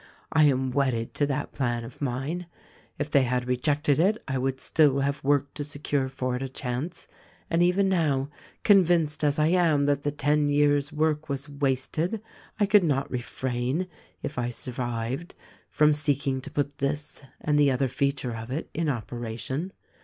I am wedded to that plan of mine. If they had rejected it I would still have worked to secure for it a chance, and, even now, convinced as I am that the ten years' work was wasted, I could not refrain, if I survived, from seeking to put this and the other feature of it in operation.